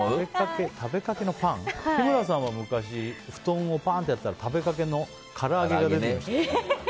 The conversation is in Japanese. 日村さんは昔布団をパンってやったら食べかけのから揚げが出てきましたよ。